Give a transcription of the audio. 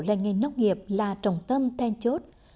lãnh nghề nông nghiệp là trọng tâm then chốt